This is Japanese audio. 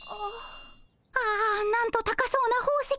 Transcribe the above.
ああなんと高そうな宝石。